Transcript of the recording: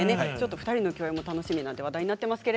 ２人の共演も楽しみと話題になっています。